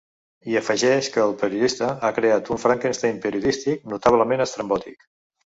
I afegeix que el periodista ha creat un ‘Frankestein periodístic notablement estrambòtic’.